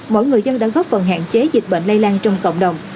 mỗi người dân đã góp phần hạn chế dịch bệnh lây lan trong cộng đồng